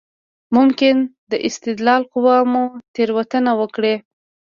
ممکن د استدلال قوه مو تېروتنه وکړي.